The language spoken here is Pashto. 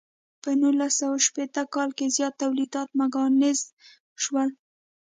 په نولس سوه شپیته کال کې زیات تولیدات میکانیزه شول.